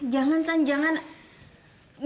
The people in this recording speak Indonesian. jangan san jangan